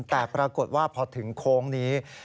แต่ปรากฏว่าพอถึงโค้งนี้